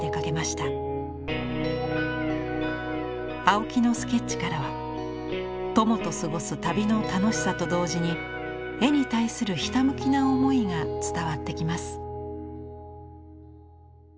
青木のスケッチからは友と過ごす旅の楽しさと同時に絵に対するひたむきな思いが伝わってきます。